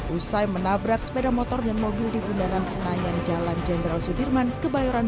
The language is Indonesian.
usai menabrak sepeda motor dan mobil di bundanan senayan jalan jenderal sudirman kebayoran